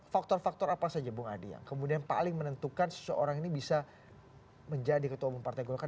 faktor faktor apa saja bung adi yang kemudian paling menentukan seseorang ini bisa menjadi ketua umum partai golkar